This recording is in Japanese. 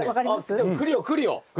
でもくるよくるよ。